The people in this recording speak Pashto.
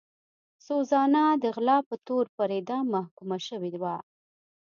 سوزانا د غلا په تور پر اعدام محکومه شوې وه.